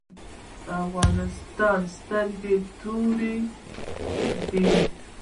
افغانستان د سترګو تور دی